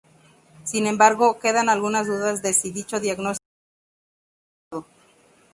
Sin embargo, quedan algunas dudas de si dicho diagnóstico es del todo acertado.